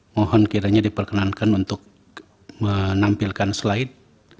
mohon kiranya diperkenankan untuk menampilkan slide